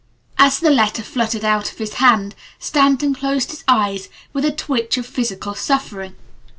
As the letter fluttered out of his hand Stanton closed his eyes with a twitch of physical suffering.